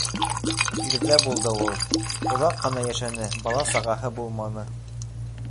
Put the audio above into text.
Ирҙә булды ул. Оҙаҡ ҡына йәшәне - бала-сағаһы булманы.